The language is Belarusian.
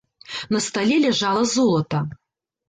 На стале ляжала золата.